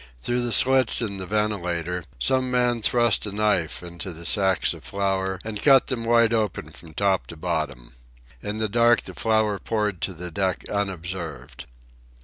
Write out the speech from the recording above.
Through the slits in the ventilator some man thrust a knife into the sacks of flour and cut them wide open from top to bottom. In the dark the flour poured to the deck unobserved.